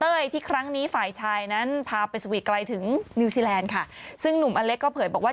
ที่ครั้งนี้ฝ่ายชายนั้นพาไปสวีทไกลถึงนิวซีแลนด์ค่ะซึ่งหนุ่มอเล็กก็เผยบอกว่า